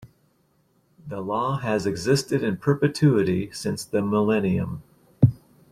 The law has existed in perpetuity since the millennium.